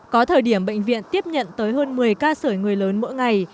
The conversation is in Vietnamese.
có thời điểm bệnh viện tiếp nhận tới hơn một mươi ca sởi người lớn mỗi ngày